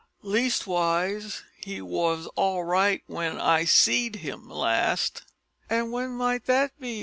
Leastwise he wos all right w'en I seed 'im last." "And when might that be?"